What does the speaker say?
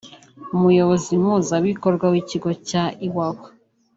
umuyobozi mpuzabikorwa w’ikigo cya Iwawa